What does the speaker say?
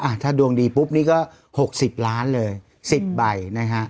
ถ้าดวงดีปุ๊บนี่ก็๖๐ล้านเลย๑๐ใบนะฮะ